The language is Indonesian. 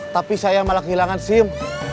tapi saya malah kehilangan sim